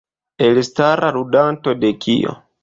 Elstara ludanto de Kio?